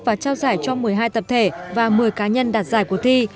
và trao giải cho một mươi hai tập thể và một mươi cá nhân đạt giải cuộc thi